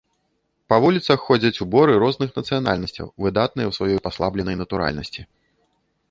Па вуліцах ходзяць уборы розных нацыянальнасцяў, выдатныя ў сваёй паслабленай натуральнасці.